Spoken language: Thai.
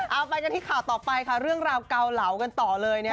เอาไปกันที่ข่าวต่อไปค่ะเรื่องราวเกาเหลากันต่อเลย